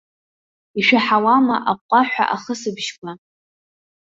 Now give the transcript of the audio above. Ишәаҳауама аҟәҟәаҳәа ахысбыжьқәа?